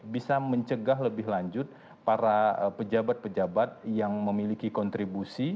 bisa mencegah lebih lanjut para pejabat pejabat yang memiliki kontribusi